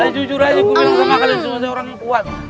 tapi jujur aja saya orang yang kuat